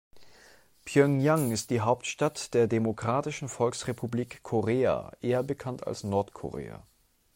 Pjöngjang ist die Hauptstadt der Demokratischen Volksrepublik Korea, eher bekannt als Nordkorea.